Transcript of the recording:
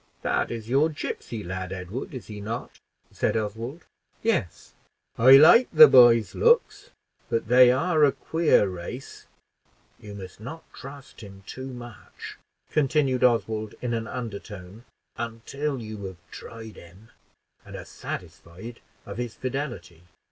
"That is your gipsy lad, Edward, is he not?" said Oswald. "Yes." "I like the boy's looks; but they are a queer race. You must not trust him too much," continued Oswald, in an undertone, "until you have tried him, and are satisfied of his fidelity.